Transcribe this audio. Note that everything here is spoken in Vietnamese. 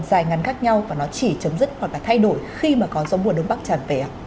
dài ngắn khác nhau và nó chỉ chấm dứt hoặc là thay đổi khi mà có gió mùa đông bắc tràn về ạ